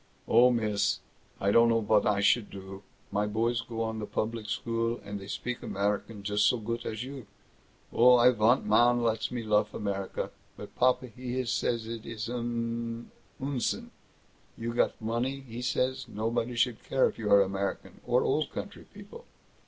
"Oh, miss, I don't know vot I should do. My boys go on the public school, and they speak American just so goot as you. Oh, I vant man lets me luff America. But papa he says it is an Unsinn; you got the money, he says, nobody should care if you are American or Old Country people.